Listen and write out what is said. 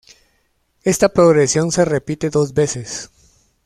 Esta progresión se repite dos veces.